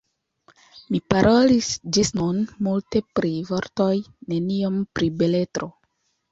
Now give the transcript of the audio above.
Mi parolis ĝis nun multe pri vortoj, neniom pri beletro.